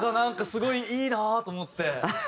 すごいいいなと思って。